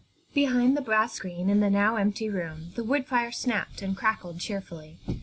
Behind the brass screen in the now empty room the wood fire snapped and crackled cheerfully.